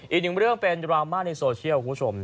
อีกหนึ่งเรื่องเป็นดราม่าในโซเชียลคุณผู้ชม